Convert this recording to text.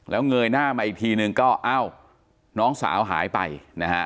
แล้วเงยหน้ามาอีกทีนึงก็เอ้าน้องสาวหายไปนะฮะ